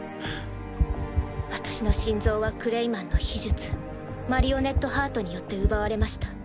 私の心臓はクレイマンの秘術マリオネットハートによって奪われました。